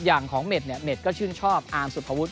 อย่างของเม็ดเนี่ยเด็ดก็ชื่นชอบอาร์มสุภวุฒ